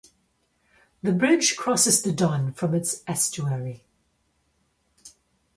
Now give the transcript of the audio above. The bridge crosses the Don from its estuary.